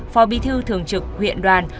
phò bi thư thường trực huyện đoàn